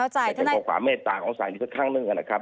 จะได้บอกความเมตตาของศาลที่สุดข้างนึงเลยนะครับ